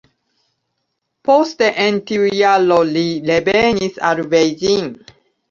Poste en tiu jaro li revenis al Beijing.